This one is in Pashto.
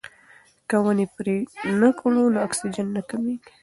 که ونې پرې نه کړو نو اکسیجن نه کمیږي.